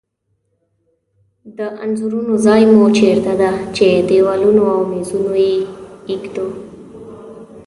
د انځورونو ځای مو چیرته ده؟ په دیوالونو او میزونو یی ایږدو